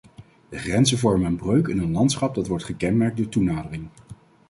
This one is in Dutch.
De grenzen vormen een breuk in een landschap dat wordt gekenmerkt door toenadering.